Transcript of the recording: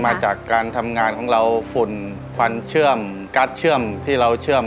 มาจากการทำงานของเราฝุ่นควันเชื่อมการ์ดเชื่อมที่เราเชื่อม